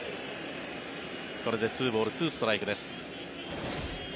これで２ボール２ストライクです。